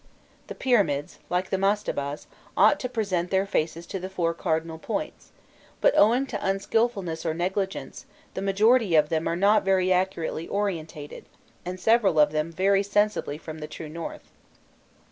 The pyramids, like the mastabas, ought to present their faces to the four cardinal points; but owing to unskilfulness or negligence, the majority of them are not very accurately orientated, and several of them vary sensibly from the true north.